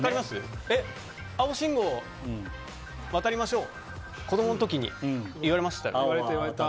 青信号、渡りましょうって子供の時に、言われましたよね。